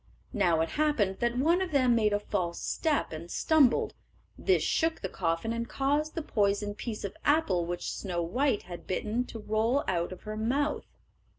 Now it happened that one of them made a false step and stumbled. This shook the coffin, and caused the poisoned piece of apple which Snow white had bitten to roll out of her mouth.